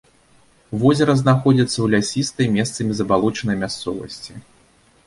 Возера знаходзіцца ў лясістай, месцамі забалочанай мясцовасці.